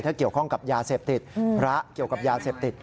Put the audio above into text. ถ้าเกี่ยวข้องกับยาเสพติดพระเกี่ยวกับยาเสพติด